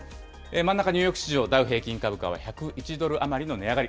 真ん中、ニューヨーク市場、ダウ平均株価は１０１ドルの値上がり。